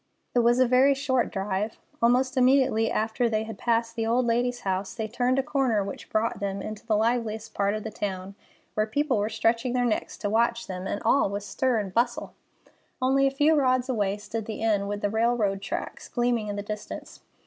It was a very short drive. Almost immediately after they had passed the old lady's house, they turned a corner which brought them into the liveliest part of the town, where people were stretching their necks to watch them, and all was stir and bustle. Only a few rods away stood the inn, with the railroad tracks gleaming in the distance.